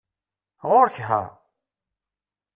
Ɣuṛ-k ha!